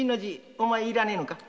お前要らねえのか？